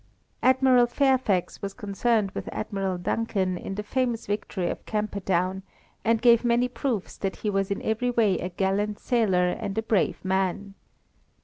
Admiral Fairfax was concerned with Admiral Duncan in the famous victory of Camperdown, and gave many proofs that he was in every way a gallant sailor and a brave man.